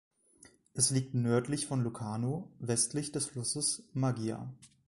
Es liegt nördlich von Locarno westlich des Flusses Maggia.